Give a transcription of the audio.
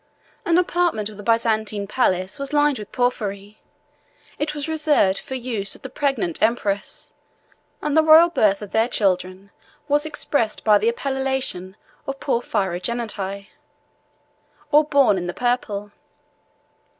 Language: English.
An apartment of the Byzantine palace was lined with porphyry: it was reserved for the use of the pregnant empresses; and the royal birth of their children was expressed by the appellation of porphyrogenite, or born in the purple.